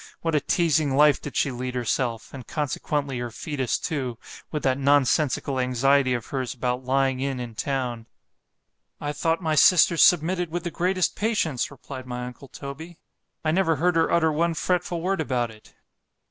——What a teazing life did she lead herself, and consequently her fœtus too, with that nonsensical anxiety of hers about lying in in town? I thought my sister submitted with the greatest patience, replied my uncle Toby——I never heard her utter one fretful word about it.